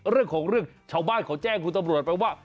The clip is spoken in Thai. เรื่องของเรื่องชาวบ้านเขาแจ้งคุณตำรวจไปว่า